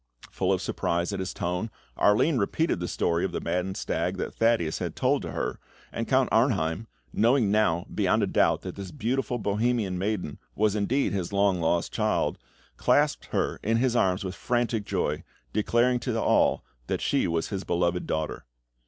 Full of surprise at his tone, Arline repeated the story of the maddened stag that Thaddeus had told to her, and Count Arnheim, knowing now beyond a doubt that this beautiful Bohemian maiden was indeed his long lost child, clasped her in his arms with frantic joy, declaring to all that she was his beloved daughter.